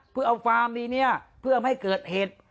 เพื่อเอาฟาร์มดีเนี่ยเพื่อไม่เกิดเหตุ